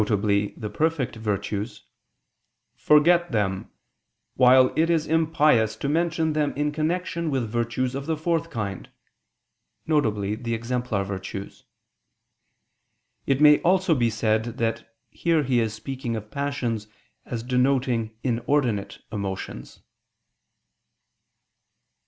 the perfect virtues, "forget them; while it is impious to mention them in connection with virtues of the fourth kind," viz. the exemplar virtues. It may also be said that here he is speaking of passions as denoting inordinate emotions.